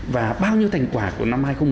và bao nhiêu thành quả của năm hai nghìn một mươi